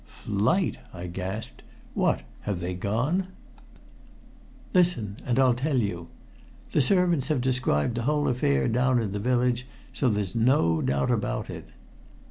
"Flight!" I gasped. "What, have they gone?" "Listen, and I'll tell you. The servants have described the whole affair down in the village, so there's no doubt about it.